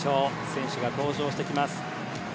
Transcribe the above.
選手が登場してきます。